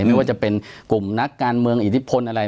ไม่ว่าจะเป็นกลุ่มนักการเมืองอิทธิพลอะไร